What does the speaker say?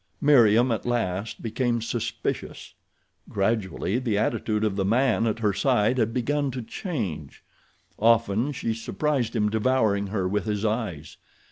Meriem at last became suspicious. Gradually the attitude of the man at her side had begun to change. Often she surprised him devouring her with his eyes.